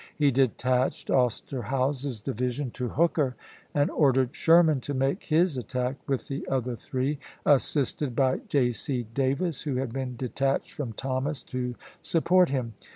He detached Osterhaus's divi sion to Hooker, and ordered Sherman to make his attack with the other three, assisted by J. C. Davis, who had been detached from Thomas to support him.